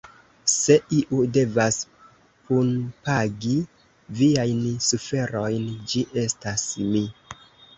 Se iu devas punpagi viajn suferojn, ĝi estas mi.